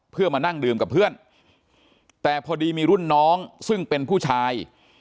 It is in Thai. เพื่อมานั่งดื่มกับเพื่อนแต่พอดีมีรุ่นน้องซึ่งเป็นผู้ชาย